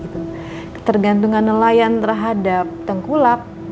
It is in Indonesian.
tergantungan nelayan terhadap tengkulap